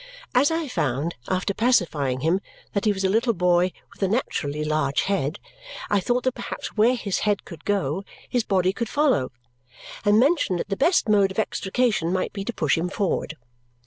As I found (after pacifying him) that he was a little boy with a naturally large head, I thought that perhaps where his head could go, his body could follow, and mentioned that the best mode of extrication might be to push him forward.